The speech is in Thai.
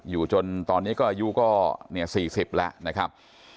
อยู่จนตอนนี้ก็อายุก็๔๐แล้วนะครับ